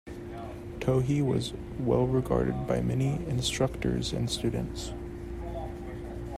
Tohei was well regarded by many instructors and students.